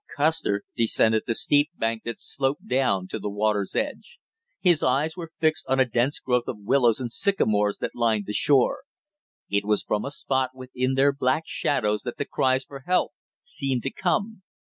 Custer descended the steep bank that sloped down to the water's edge. His eyes were fixed on a dense growth of willows and sycamores that lined the shore; it was from a spot within their black shadows that the cries for help seemed to come.